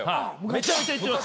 めちゃめちゃ行ってました。